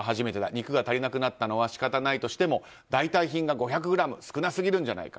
肉が足りなくなったのは仕方ないとしても代替品が５００ｇ少なすぎるじゃないか。